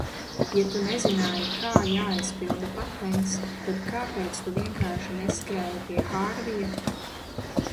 Ja tu nezināji, kā jāaizpilda patents, tad kāpēc tu vienkārši neskrēji pie Hārvija?